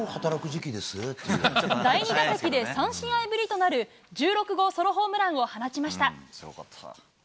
第２打席で３試合ぶりとなる１６号ソロホームランを放ちました。